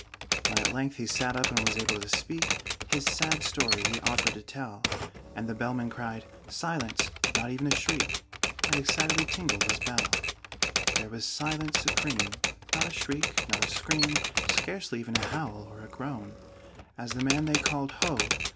When at length he sat up and was able to speak, His sad story he offered to tell; And the Bellman cried "Silence! Not even a shriek!" And excitedly tingled his bell. There was silence supreme! Not a shriek, not a scream, Scarcely even a howl or a groan, As the man they called "Ho!"